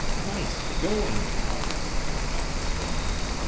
"Nice going, pal!" Tom exclaimed.